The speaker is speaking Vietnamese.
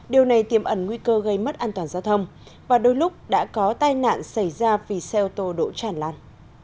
điều này tiêm ẩn nguy cơ gây mất an toàn giao thông và đôi lúc đã có tai nạn xảy ra vì xe ô tô đỗ tràn lan